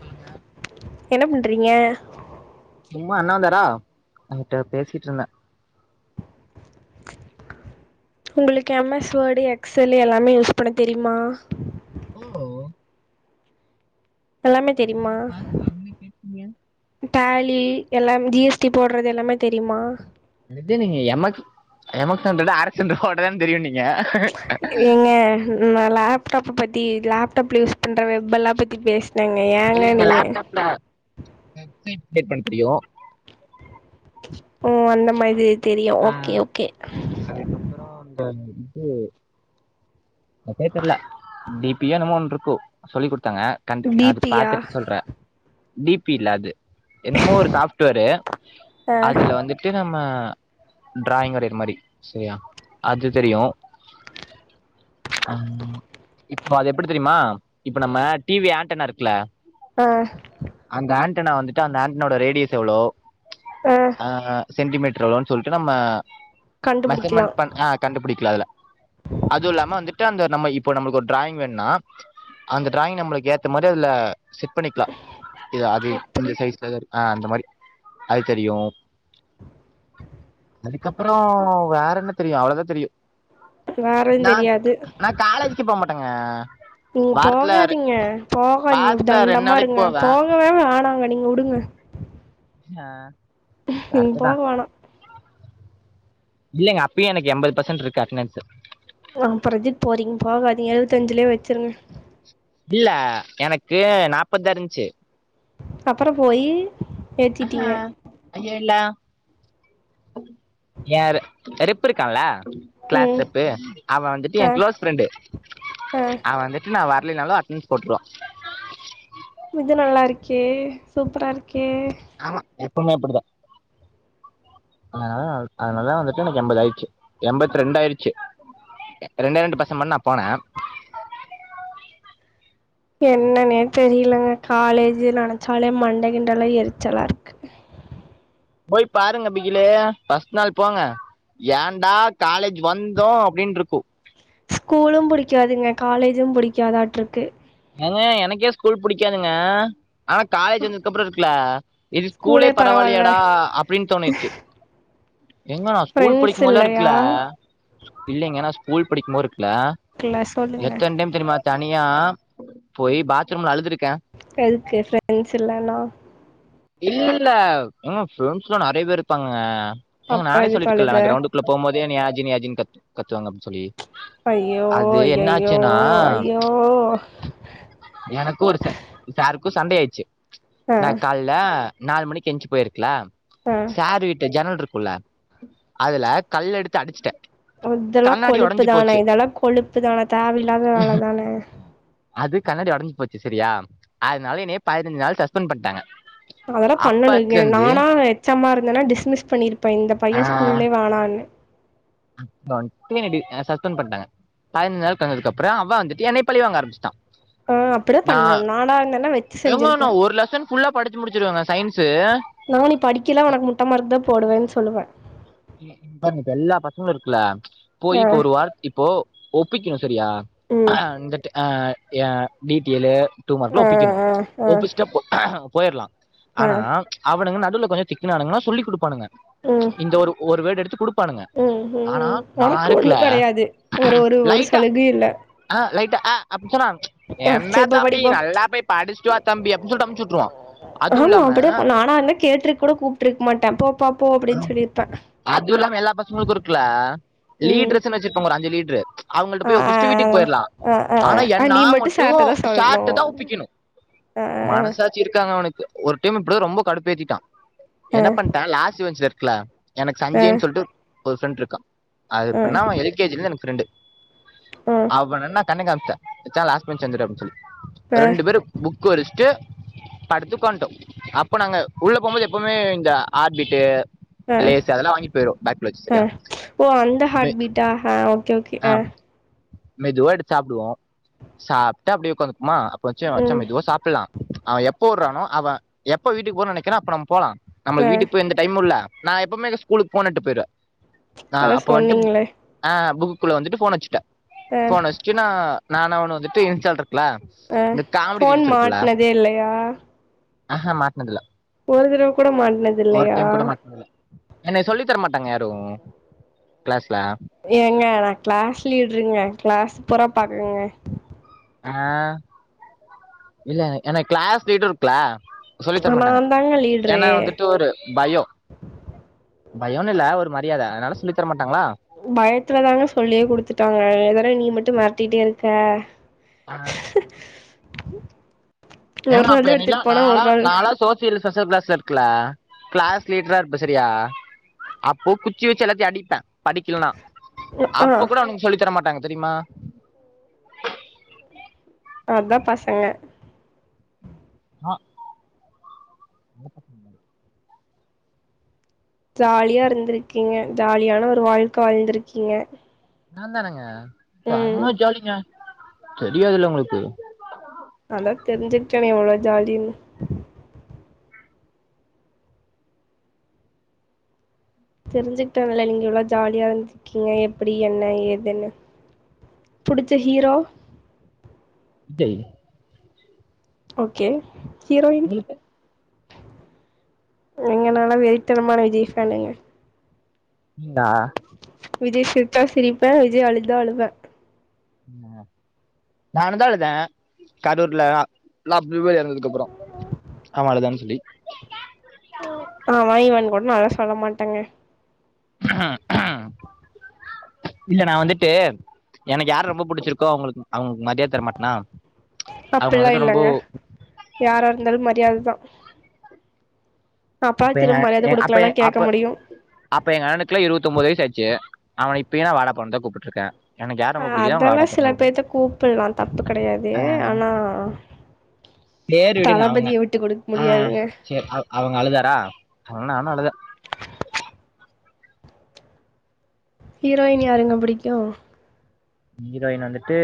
சொல்லுங்க என்ன பண்றீங்க சும்மா அண்ணாந்தரா உங்களுக்கு எம் எஸ் வேடு எக்செல்லு எல்லாமே யூஸ் பண்ண தெரியுமா ஓ எல்லாமே யார தெரிமா பாத்து என்ன கேட்டீங்க டேலி எல்லாம் ஜி எஸ் டி போட்டுறது எல்லாமே தெரியுமா இதே நீங்க M X M X hundred R X hundred ஓட்ட தா தெரியு நீ ஏங்க நா லேப்டாப் ப்ப பத்தி லேப்டாப்ல யூஸ் பண்ற வெப்பல்லா பத்தி பேஸ் இல்லைங்க லேப்டாப்ல [inaudible] டேட் பண்ண தெரியு ஓ அந்தமாரி ஆ அதுக்கப்பறோ அந்த இது [unintelligible] தெர்ல டீப் பியா என்னமோ ஒன்ட்ருக்கு சொல்லி குடு தாங்க கண்ட் அது பிபியா பாத்துட்டு சொல்ற டி பி இல்ல அது என்னமோ ஒரு சாஃப்ட்வேரு ஆ அதுல வந்துட்டு நம்ம டிராயிங் வரயிற மாரி செரியா அது தெரியு ம் இப்ப அது எப்புடி தெரியுமா இப்ப நம்ம டி வி ஆண்டனா இருக்கில்ல ஆஹ் டனா வந்துட்டு அந்த ஆண்டனோட ரேடியேஸ் எவ்ளோ ஆ சென்டிமீட்டர் எவ்ளோ சொல்ட்டு நம்ம கண்டுபிடிக்கலாம் மெஸர்மெண்ட் பன் ஆ கண்டுபுடிக்லா அதுல அதுவுல்லாம வந்துட்டு அந்த நம்ம இப் போ நம்மள்கு ஒரு டிராயிங் வேண்னா அந்த டிராயிங் நம்மளுக் ஏத்த மாரி அதுல செட் பண்ணிக்லா இ அதி இந்த அப்படி சைஸ்லதா ஆ அந்த மாரி அது தெரியு அதுக்கப்பறோ வேறென்ன தெரியு அவ்ளோதா தெரியு வேறந் தெரியாது காலேஜுக்கு போக மாட்டேங்க நீங் வாரத்தில் போகாதீங்க போகாதீங்க வாரத்துல ரெண்டு நாளைக்கு தண்டமாருங்க போவேன் போகவே வேணா நீங்க வுடுங்க எ நீங் போக வேணா இல்லைங்க அப்பயு எனக்கு எம்பது பசன்ட்ருக்கு அட்னன்ஸு அஹ் அப்புறோ எதுக்கு போறீங்க போகாதீங்க எழுவத் அஞ்சுலயே வெச்சிருங்க இல்ல எனக்கு நாப்பதாயிருஞ்சு அப்புறோ போயி ஏத்திட்டீங்க அஹ் ஏழா யாரு செருப்பிருக்கால்ல கிளாஸ் ம் ரெப்பு அவ வந்துட்டு ஆ என் க்ளோஸ் பிரெண்டு ஆ அவ வந்துட்டு நா வர் இல்லைனாலு அட்டனஸ் போட்டுருவா இது நல்லா இருக்கே சூப்பரா இருக் ஆமா எப்பமே இப்படிதா அதனால அதனால வந்துட்டு எனக்கு எண்பதாயிடுச்சு எண்பத்தி ரெண்டு ஆயிருச்சு ரெண்டே ரெண்டு பெர்சன்ட் பண்ண நா போன என்னனே தெரியலங்க காலேஜ நினைச்சாலே மண்ட கிண்டலா எரிச்சலா இருக்கு போய் பாருங்க பிகிலே பஸ்ட் நாள் போங்க ஏன்டா காலேஜ் வந்தோ அப்படின்ட்டு இருக்கு ஸ்கூலும் பிடிக்காதுங்க காலேஜும் புடிக்காதாட்டருக்கு ஏங்க எனக்கே ஸ்கூல் புடிக்காதுங்க ஆனா காலேஜ் வந்ததுக்கப்புறோ இருக்குல்ல இது ஸ்கூலே பரவாயிலயேடா அப்படின்னு தோணுச்சு ஏங்க ஸ்கூல் ஃப்ரெண்ட்ஸ் படிக்கும் போதல்லா இல்லையா இருக்கல்ல இல்லைங்க நா ஸ்கூல் படிக்கும்போது இருக்கு இல்ல இல்ல சொல்லுங்க எத்தன டைம் தெரியுமா ஜார்ஜ் னியா போய் பாத்ரூம்ல அழுதுருக்கு எதுக்கு ஃபிரெண்ட்ஸ் இல்லனா இல்லல்ல ங்க ஃப்ரெண்ட்ஸ்லா நெறைய பேர் இருப்பாங்க ஏங்க அப்பற நானே எதுக்கு சொல்லிருக்கன்ல அழுக நா கிரௌண்டுக்குள்ள போம்போதே என்னய ஜீ நீ வா ஜீனு கத் கத்துவாங்க அப்டினு சொல்லி ஐயோ அது என்ன ஐயையோ ஆச்சுன்னா ஐயோ க்கு சண்டயாயிடுச்சு அ ல நாலு மணிக்கு எஞ்சு போயிருக்கலா ஆ சார் வீட்டு ஜன்னல் இருக் குல்ல அதுல கல் எடுத்து அடிச்சிட்டே இதெல்லா கொழுப்பு தானே இதெல்லா கொழுப்பு தானே தேவயில்லாத வேல தானே அது கண்ணாடி ஒஉடஞ்சு போச்சு சரியா அதனால என்னய பதினஞ்சு நாள் சஸ்பெண்ட் பண்ணிட்டாங்க அதெல்லா பண்ணணும் இங்க நானா எச் எம் ஆ இருந்தன்னா டிஸ்மிஸ் பண்ணிருப்பே இந்த பையன் ஸ்கூல்லே வேணான்னு அப்றோ வந்ட்டு என்ன டி சஸ்பண்ட் பண்ணிட்டாங்க பதினந்து நாள் வந்ததுக்கப்பற அவ வந்துட்டு என்னய பழி வாங்க ஆரம்பிச்சுட்டான் ஆ அப்பற பண்ணணு நானா இருந்தன்னா வெச் ஏமா ஒரு லசன் ஃபுல்லா படிச்சு முடிச்சிருவங்க சயின்ஸ் நா நீ படிக்கல உனக்கு முட்ட மார்க் தா போடுவேன்னு சொல்லுவே இங்க பாரு எல்லா பசங்களு இருக்குல்ல போயி ஆ இப்போ ஒரு வாரத் இப்போ ஒப்பிக்குணு செரியா ம் அ இந்த டை அ ஏ டீடெயிலு டூ ஆ மார்க்கலாம் ஒப்பிக்கணு ஆ ஆ ஒப்பிச்சிட்டா போ போயிரலா ஆ ஆனா அவனுங்க ந டுவுல கொஞ்ச திக்குனானுங்கனா சொல்லி குடுப்பானுங்க ம் ஒரு வேடு எடுத்து குடுப் ம் ஹூம் ம் உனக்கு ஒண்ணு கெடையாது ஒரு ஒரு ஒரு லைட்டா சலுகையும் இல்ல ஆ லைட்டா ஆ அப்டி சொன்னா ஆ என்ன சரி போ படி தம்பி போ நல்லா போய் படிச்சுட்டுவா தம்பி அப்டின்னு சொல்லிட்டு அமுச்சுட்டுருவா அதுவும் ஆமா இல்லாம அப்டியே நானா இருந்தா கேட்ருக்க கூட கூப்ட்ருக்க மாட்டே போப்பா போ அப்டின்னு சொல்லிருப்பே அதுவு இல்லாம எல்லா பசங்களுக்கு இருக்குல ம் லீட்ர்ஸ்னு வச்சிருப்பாங்க ஒரு அஞ்சு லீட்ரு ரு அவங்கள்ட்ட ஆ போய் ஆ ஒப்பிச்ட்டு வீட்டுக்கு போயிர்லா ஆ ஆ ஆ ஆனா ஆ என் நீ நா மட்டு சார்ட்ட தா சொல்ணு சார்ட்டதா ஒப்பிக்கணு ஆ ஆ மனசாட்சி இருக்காங்க அவுனுக் அ ஒரு டைம் இப்டிதா ரொம்ப கடுப்பேத்திட்டா ஆ என்ன பண்ட்ட லாஸ்ட் ட்ல எனக்கு ஆ ஆ சஞ்சய்ன் சொல்ட்டு ஒரு ஃப்ரெண்ட்ருக்கா அதெப்டின்னா எல் கே ஜி ல இருந்து எனக்கு ஃப்ரெண்டு ஆ அவனென்ன கண்ண காமிச்ட்ட மச்சா லாஸ்ட் பென்ச் வந்துரு அப்டி சொல்லி ரெண்டு பேரு புக் விரிச்சுட்டு படுத்து உக்காண்ட்டோ அப்போ நாங்க உள்ள போகும்போது எப்பவுமே இந்த ஆர்ட் பீட்டு அ அ சரியா ஓ அந்த மெ ஹார்ட் பீட்டா அ ஓகே ஆ அ மெதுவா எடுத்து சாப்டுவோ சாப்ட்டு அப்டியே உக்காந்துப்பமா மச்ச மச்ச ம் மெதுவா சாப்பில்லா அவ எப்ப உடறானோ அவ எப்ப வீட்டுக்கு போக நெனைக்கற அப்ப நம்ம போலா நம்ம ஆ வீட்டுக்கு போய் எந்த டைமு இல்ல நா எப்பமே எங்க ஸ்கூலுக்கு போனெட்டு போய்ருவ ஆ அதா அப்ப வன்ட்டு புக் சொன்னீங்களே ஆ புக் குள்ள வந்துட்டு ஃபோன வெச்சிட்ட ஆ ஃபோன வெச்சுட்டு நா நானு அவனு வந்துட்டு இன்ஸால்ட ம் ஃபோன் மாட்னதே இல்லையா ஆஹ மாட் ஒரு தடவ கூட மாட்னதில்லையா என்னைய சொல்லி தரமாட்டாங்க யாரு கிளாஸ்ல ஏங்க நா கிளாஸ் லீடருங்க கிளாஸ் பூரா பாக்குங்க ஆ இல்ல என எனக் கிளாஸ் லீடர் இருக்குல சொல்லி நா தரமாட்டாங்க தாங்க லீட்ரு ஏனா வந்துட்டு ஒரு பயோ பயோன் இல்ல ஒரு மரியாத அதனால சொல்லித்தரமாட் பயத்துல தாங்க சொல்லியே குடுத்துட்டாங்க எதன நீ மட் டு மெரட்டிட்டே இருக்க அ ஒரு எங்க நாள் அப்பே தா என்னில்ல எடுத்துட்டு போனா ஒரு நாளா நாள் நாளா சோ [unintelligible] க்ளாஸ் லீட்ரா இருப்ப செரியா அப்போ குச்சி வெச்சு எல்லாத்யு அடிப்பே படிக்கலினா ஆ அப்ப கூட அவனுங் சொல்லி தரமாட்டாங்க தெரிமா அதா பசங்க ஆ ஜாலியா இருந்ருக்கிங்க ஜாலியான ஒரு வாழ்க்க வாழ்ந்துருக்கீங்க நாந்தானங்க செம ஜாலிங்க தெரியாதுல்ல உங்களுக்கு அதா தெரிஞ்சுக்டனே எவ்ளோ ஜாலினு தெரிஞ்சுக்டல்ல நீங்க எவ்ளொ ஜாலியா இருந்துக்கிங்க எப்டி என்ன ஏதுன்னு புடிச்ச ஹீரோ சய் ஓகே ஹீரோயின் உங்களுக்கு ஏங்க நாலா வெறித்தனமான விஜய் ஃபேனுங்க நீங்ளா விஜய் சிரிச்சா சிரிப்பே விஜய் அழுதா அழுவே என்னங்க நானுந்தா அழுதே கரூர்ல எல்லா பிள்ப எறந்தத் கப்புறொ அவ அழுதானு சொல்லி ஆஹ் வாய் வன் கூட நா தெல்லா சொல்ல மாட்டேங்க இல்ல நா வந்துட்டு எனக்கு யார ரொம்ப புடிச்சிருக்கோ அவங்களுக்கு அவங் அப்பில்லா வந்துட்டு ரொம்போ இல்லங்க யாரா இருந்தாலு மரி யாததா அப்ப எங்க அண் எங் அப்பஎங் இப்ப எங்க அப்ப எ அப்ப அப்ப எங்க அண்ணனுக்லா இருவத்தொம்போது வயசு ஆச்சு அவன இப்பேயு நா வாடா போடான்னுதா கூப்ட்டுட்ருக்கே ஆ அதெல்லா சில பேத்த கூப்பிலா தப்பு கெடையாது ஆனா சேரி விடுங்க அவங்க தளபதிய விட்டு குடுக்க ஆ முடியாதுங்க சேரி அவ் அவங்க அழுதாரா அதா நானு அழுதே ஹீரோயின் யாருங்க புடிக்கு ஹீரோயின் வந்துட்டு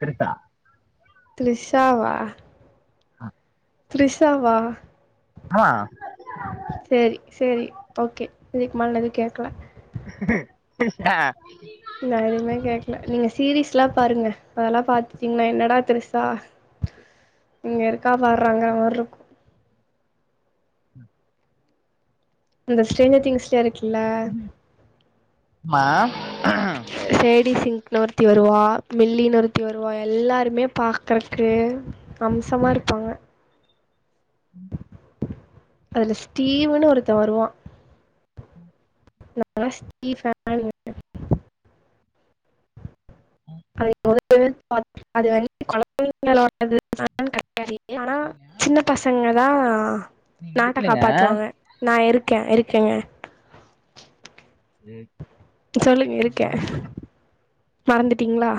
திர்ஷா த்ரிஷா வா ஆ த்ரிஷா வா ஆமா சேரி சேரி ஓகே இதுக்குமேலே நா எதுவு கேக்கல ஏ நா எதுவுமே கேட்க்கல நீங்க சீரீஸ்ல்லா பாருங்க அதெல்லா பாத்துட்டீங்கன்னா என்னடா திரிசா இங்க இருக்கா பார்ரா ங்கிற மாரி இருக்கு அந்த ஸ்டேஜர் திங்ஸ் சியா இருக்குல்ல மா சேடி சிங்க் ஒருத்தி வருவா மில்லி நு ஒருத்தி வருவா எல்லாருமே பாக்குறக்கு அம்சமா இருப்பாங்க ம் அதுல ஸ்டீவுன்னு ஒருத்தே வருவா நம்மல்ல ஸ்டிபேனுங்க [inaudible] அது [inaudible] ஆனா சின்ன பசங்க தான் ஆ நீங்க நாட்ட இருக்குலங்க காப்பாத்துவாங்க நா இருக்கே இருக்கேங்க எ சொல்லுங்க இருக்கே மறந்துட்டீங்களா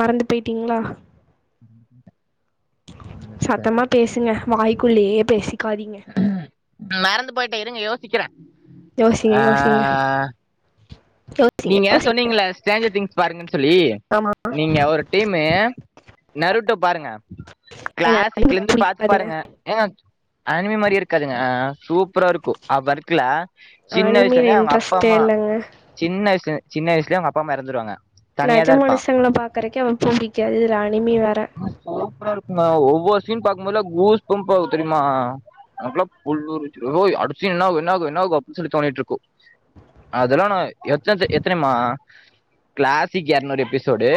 மறந்து போயிட்டீங்களா [inaudible] சத்தமா பேசுங்க வாய்க்குள்ளேயே பேசி மறந்து போயிட்டே இருங்க யோ சிக்கிறே யோசிங்க யோசிங்க யோசிங்க நீங்க யோசிங்க சொன்னீங்கல ஸ்டேன்ஜ்ர் திங்ஸ் பாருங்கனு சொல்லி ஆமா நீங்க ஒரு டீம்மு நருடோ பாருங்க எங்க ஹஸ்பண்டுக்கு கிளாசிக்ல இருந்து பாத்து புடிக்காதுங்க பாருங்க ஏங்க அனிமே மாரி இருக்காதுங்க சூப் ப்புரா இருக்கு அவ்வர்க்குல அனிமியில இன்ட்ரெஸ்டே இல்லங்க வய்ஸ்லே சின்ன வய்சுலயே அவுங்க அப்பா அம்மா இறந்துருவாங்க நஜ மனுஷங்கள பாக்குறக்கே அவன் புடிக்காது இதுல அனிமி வேற நா ஒவ்வொரு சீன் பாக்கும்போதுல கூஸ் பம்ப் ஆகும் தெரியுமா அவ்ளோ புல்உரிச்சுரு அடுத்சீன் என்னாகு என்னாகு என்னாகு அப்டி சொல்லி தோணிட்டுஇருக்கு அதெல்லாம் ந எத்தன்ஸ் எத்தனமா கிளாசிக் இரநூறு எபிசோடு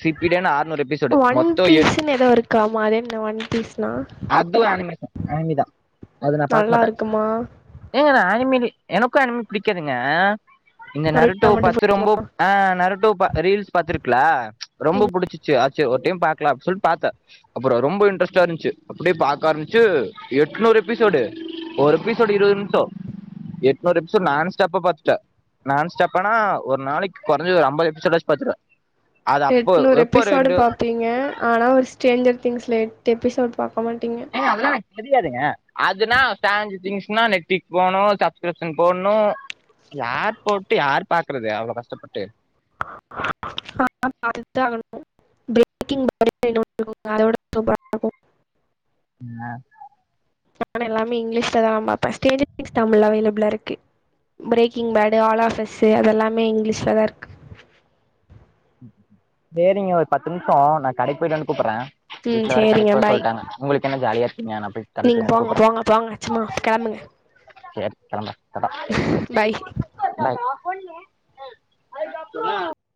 சிப்பிலிடே [unintelligible] நா அறுநூறு எபிசோடு ஒன் மொத்தம் எ பீஸ்ன்னு ஏதோ இருக்காமா அது என்ன ஒன் பீஸ்னா அது அணிமேஷன் அனிமி தான் அத நான் பாக்க நல்லா மாட்டே இருக்குமா ஏன அது அனிமில்ல எனக்கு அனிமி புடிக்காதுங்க இந்த நருட்டா நருட்டோவ மட்டும் பத்து ரொம்ப பிடிக்குமா அஹ நரட்டோவ பாத் ரீல்ஸ் பாத்துருக்கல ச்ச ரொம்ப ம் புடிச்சிச்சு சேர் ஒரு டைம் பாக்கலா அப்ட் சொல்டு பாத்தே அப்புற ரொம்ப இன்டரஸ்ட்டா இருச்சு அப்படியே பாக்காரமிச்சு எட்நூறு எப்பிசோடு ஒரு எப்பிசோடு இருவது நிமிஷம் எட்நூறு எப்பிசோடு நான்ஸ்டாப்ஹா பாத்துட்ட நான்ஸ்டாப்பனா ஒரு நாளைக்கு குறஞ்சது ஒரு ஐம்பது எபிசோடாச்சு பாத்துருவே எட்நூறு எபிசோடு பாப்பிங்க ஆனா ஒரு ஸ்டேஞ்சர் திங்ஸ்ல எட்டு எப்பிசோடு போமாட்டீங்க ஏங்க அதெல்லாம் எனக்கு தெரியாதுங்க அதுனா ஸ்டேஞ்சர் திங்ஸ்ன்னா நெடிக் போணும் சப்ஸ்கிரிப்ஷன் போட்ணு யார் போட்டு யார் பாக்குறது அவ்ளோ கஷ்டப்பட்டு ஆஹ பாத்துதா ஆகணு [unintelligible] அதோட சூப்பரா இருக்கு என்னா நானே எல்லாமே இங்கிலீஷ்ல தான் பாப்பேன் ஸ்டேன்ஜ்ர் திங்ஸ் தமிழ்ல அவைலபிளா இருக்கு பிரேக்கிங் பேடு ஆல் ஆஃபஸ் அதெல்லாமே இங்கிலீஷ்ல தான் இருக் சேரிங்க ஒரு பத்து நிமிஷ நான் கடைக்கு போயிட்டு வந்து கூப்பறே உம் சேரிங்க பாய் என்ன ஜாலியா இருக்கீங்க நா போய் கடைக்கு நீங்க போயிட்டு வந்து போங்க கூப்புட்றே போங்க போங்க சும்மா கிளம்புங்க சேரி கிளம்புற டாடா பாய் கோழியே ஆ அதுக்கப்புற ஆ